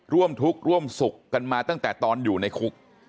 ร่วมทุกข์ร่วมสุขกันมาตั้งแต่ตอนอยู่ในคุก